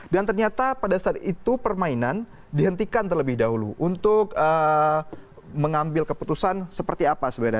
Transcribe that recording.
dan ternyata pada saat itu permainan dihentikan terlebih dahulu untuk mengambil keputusan seperti apa sebenarnya